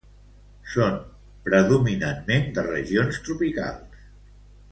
Són predominantment de regions tropicals.